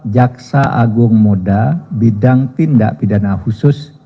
empat jaksa agung moda bidang tindak pidana khusus